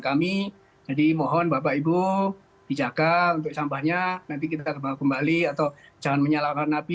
kami jadi mohon bapak ibu dijaga untuk sampahnya nanti kita kembali atau jangan menyalakan api